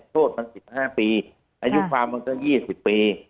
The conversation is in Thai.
โทษมันสิบห้าปีอายุความมันก็ยี่สิบปี